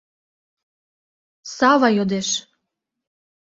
— Сава йодеш.